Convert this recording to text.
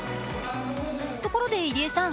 ところで入江さん